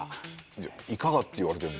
いやいかがって言われても。